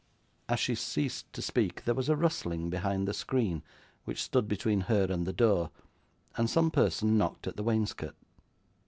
As she ceased to speak, there was a rustling behind the screen which stood between her and the door, and some person knocked at the wainscot.